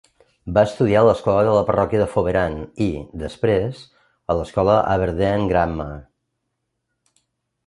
Va estudiar a l'escola de la parròquia de Foveran i, després, a l'escola Aberdeen Grammar.